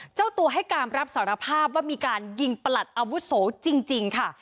เจ้าตัวให้การรับสารภาพว่ามีการยิงประหลัดอาวุโสจริงค่ะ